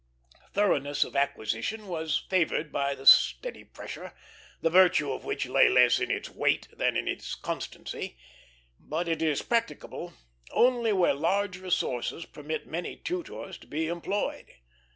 Thoroughness of acquisition was favored by this steady pressure, the virtue of which lay less in its weight than in its constancy; but it is practicable only where large resources permit many tutors to be employed.